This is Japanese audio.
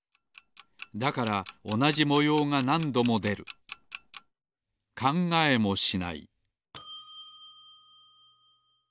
だからおなじもようがなんどもでる１０ぽんのえんぴつ。